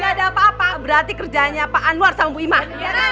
kalau komplek kita ini ada apa apa berarti kerjaannya pak anwar sama bu imah